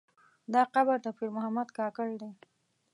دا قبر د پیر محمد کاکړ دی.